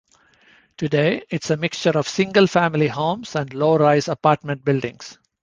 Today it is a mixture of single-family homes and low-rise apartment buildings.